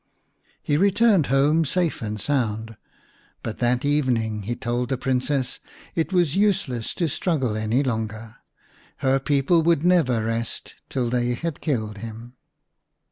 He returned home safe and sound, but that evening he told the Princess it was useless to struggle any longer. Her people would never rest till they had killed him.